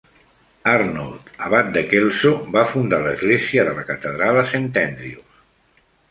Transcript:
Arnold, abat de Kelso, va fundar l'església de la catedral a Saint Andrews.